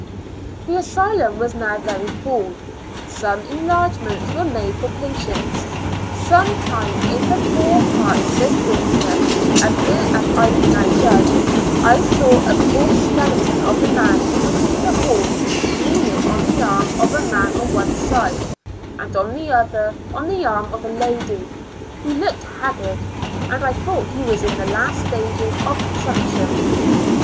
The asylum was now very full; some en largements were made for patients. Some time in the fore part of this winter, as near as I can now judge, I saw a poor skeleton of a man come into the hall leaning on the arm of a man on one side, and on the other 154 Two Years AND Four Months cu the arm of a lady; he looked haggard, and I thought he was in the last stages of cousLimption.